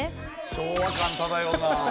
昭和感漂うな。